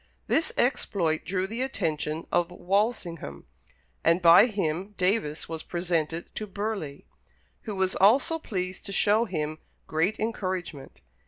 This exploit drew the attention of Walsingham, and by him Davis was presented to Burleigh, "who was also pleased to show him great encouragement."